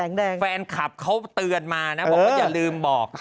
แฟนคลับเขาเตือนมานะบอกว่าอย่าลืมบอก